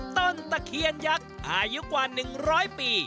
ตะเคียนยักษ์อายุกว่า๑๐๐ปี